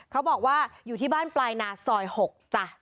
เขาบอกว่าอยู่ที่บ้านปลายนาซอย๖จ้ะ